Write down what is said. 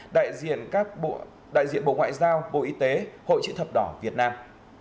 đại diện bộ ngoại giao bộ y tế hội trị thập đỏ việt nam